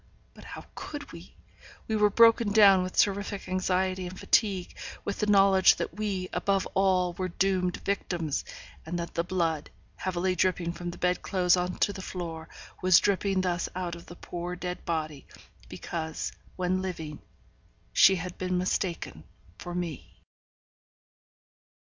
But how could we? we were broken down with terrific anxiety and fatigue, with the knowledge that we, above all, were doomed victims; and that the blood, heavily dripping from the bed clothes on to the floor, was dripping thus out of the poor dead body, because, when living, she had been mistaken for me.